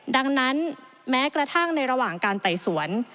ดังนั้นแม้กระทั่งในระหว่างการไต่สวน